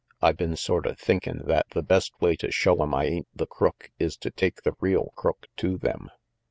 I been sorta thinkin' that the best way to show 'em I ain't the crook is to take the real crook to them."